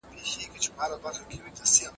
نازو انا له ګل سره خبرې کولې.